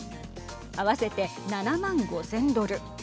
合わせて７万５０００ドル。